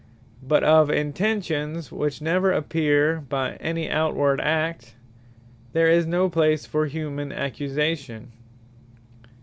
But of Intentions, which never appear by any outward act, there is no place for humane accusation.